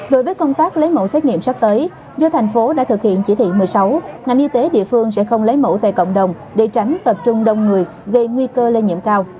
đối với công tác lấy mẫu xét nghiệm sắp tới do thành phố đã thực hiện chỉ thị một mươi sáu ngành y tế địa phương sẽ không lấy mẫu tại cộng đồng để tránh tập trung đông người gây nguy cơ lây nhiễm cao